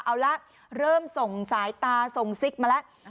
เอาละเริ่มส่งสายตาส่งซิกมาแล้ว